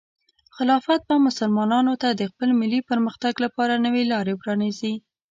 خلافت به مسلمانانو ته د خپل ملي پرمختګ لپاره نوې لارې پرانیزي.